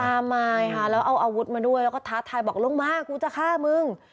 มายค่ะแล้วเอาอาวุธมาด้วยแล้วก็ท้าทายบอกลงมากูจะฆ่ามึง